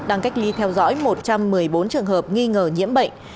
đang cách ly theo dõi một trăm một mươi bốn trường hợp nghi ngờ nhiễm bệnh